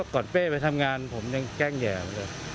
ก่อนเป้ไปทำงานผมยังแกล้งแหย่งเลย